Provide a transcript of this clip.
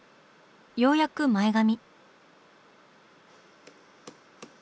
ようやく前髪。